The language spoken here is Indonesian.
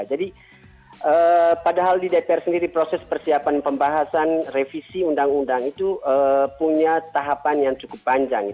jadi padahal di dpr sendiri proses persiapan pembahasan revisi undang undang itu punya tahapan yang cukup panjang